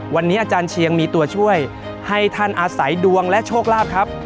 วันนี้อาจารย์เชียงมีตัวช่วยให้ท่านอาศัยดวงและโชคลาภครับ